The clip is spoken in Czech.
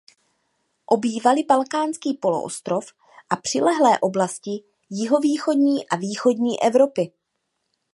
Obývali Balkánský poloostrov a přilehlé oblasti jihovýchodní a východní Evropy.